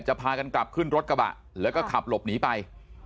พากันกลับขึ้นรถกระบะแล้วก็ขับหลบหนีไป